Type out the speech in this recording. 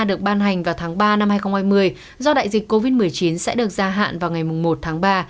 được ban hành vào tháng ba năm hai nghìn hai mươi do đại dịch covid một mươi chín sẽ được gia hạn vào ngày một tháng ba